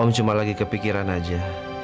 cuma lagi kepikiran aja